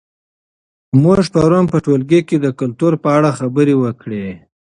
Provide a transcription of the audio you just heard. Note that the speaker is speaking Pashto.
موږ پرون په ټولګي کې د کلتور په اړه خبرې وکړې.